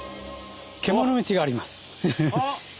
獣道があります。